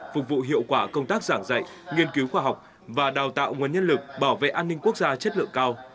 phục vụ hiệu quả công tác giảng dạy nghiên cứu khoa học và đào tạo nguồn nhân lực bảo vệ an ninh quốc gia chất lượng cao